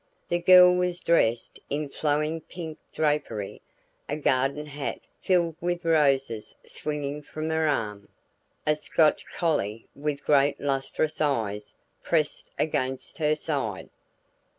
The girl was dressed in flowing pink drapery, a garden hat filled with roses swinging from her arm, a Scotch collie with great lustrous eyes pressed against her side.